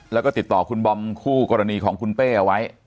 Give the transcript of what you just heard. แล้วก็ติดต่อคุณบอมคู่กรณีของคุณเป้เอาไว้